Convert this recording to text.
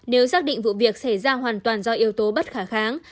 nếu xác định vụ việc xảy ra hoàn toàn do yếu tố bất khả kháng